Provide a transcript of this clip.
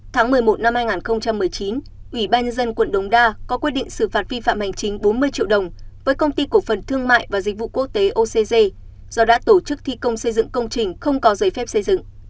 tháng một mươi một năm hai nghìn một mươi chín ủy ban nhân dân quận đống đa có quyết định xử phạt vi phạm hành chính bốn mươi triệu đồng với công ty cổ phần thương mại và dịch vụ quốc tế ocg do đã tổ chức thi công xây dựng công trình không có giấy phép xây dựng